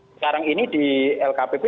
sekarang ini di lkpp